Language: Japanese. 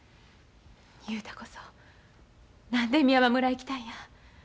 雄太こそ何で美山村へ来たんや？